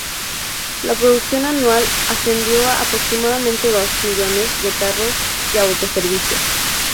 La producción anual ascendió a aproximadamente dos millones de carros de autoservicio.